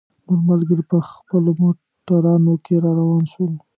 نور ملګري په خپلو موټرانو کې را روان شول.